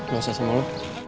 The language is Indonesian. gak usah sama lo